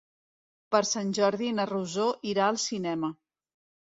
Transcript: Per Sant Jordi na Rosó irà al cinema.